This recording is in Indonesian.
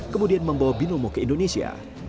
kemudian membawa binomo ke indonesia